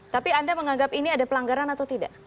tapi anda menganggap ini ada pelanggaran atau tidak